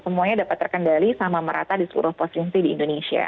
semuanya dapat terkendali sama merata di seluruh provinsi di indonesia